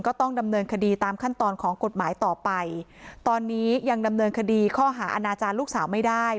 ก็ต้องดำเนินคดีตามขั้นตอนของกฎหมายต่อไปตอนนี้ยังดำเนินคดีข้อหาอาณาจารย์ลูกสาวไม่ได้